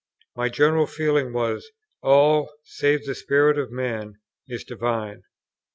My general feeling was, "All, save the spirit of man, is divine."